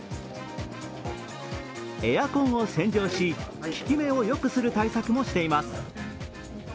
エアコンを洗浄し効き目をよくする対策もしています。